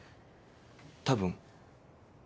たぶん？